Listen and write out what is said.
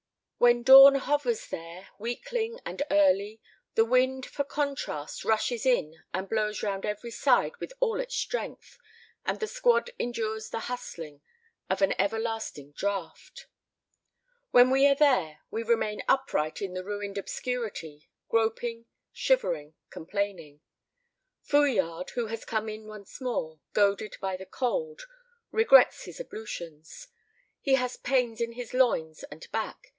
When dawn hovers there, weakling and early, the wind for contrast rushes in and blows round every side with all its strength, and the squad endures the hustling of an everlasting draught. When we are there, we remain upright in the ruined obscurity, groping, shivering, complaining. Fouillade, who has come in once more, goaded by the cold, regrets his ablutions. He has pains in his loins and back.